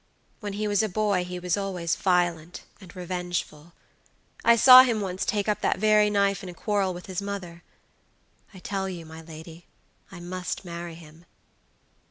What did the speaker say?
When he was a boy he was always violent and revengeful. I saw him once take up that very knife in a quarrel with his mother. I tell you, my lady, I must marry him."